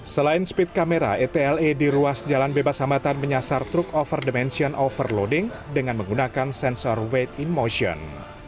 selain speed kamera etle di ruas jalan bebas hambatan menyasar truk overdimension overloading dengan menggunakan sensor wate in motion